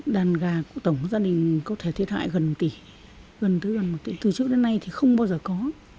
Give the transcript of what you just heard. đàn gà của tổng gia đình có thể thiệt hại gần tỷ từ trước đến nay thì không bao giờ có